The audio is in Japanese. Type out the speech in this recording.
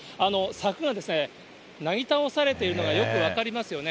柵がですね、なぎ倒されているのがよく分かりますよね。